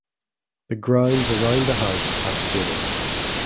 The grounds around the house have stables.